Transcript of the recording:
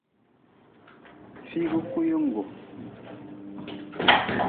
Fiigu kuyingu.